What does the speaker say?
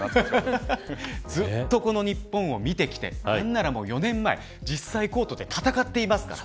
ずっとこの日本を見てきて何なら４年前、実際コートで戦っています